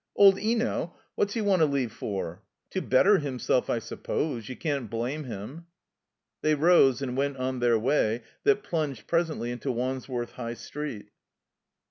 Old Eno? What's he want to leave for?" "To better himself, I suppose. You can't blame him." 184 THE COMBINED MAZE They rose and went on their way that plunged presently into Wandsworth High Street.